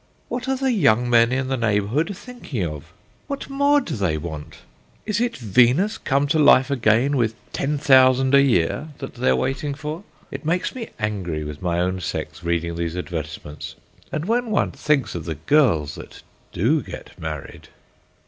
What are the young men in the neighbourhood thinking of? What more do they want? Is it Venus come to life again with ten thousand a year that they are waiting for! It makes me angry with my own sex reading these advertisements. And when one thinks of the girls that do get married!